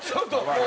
もう。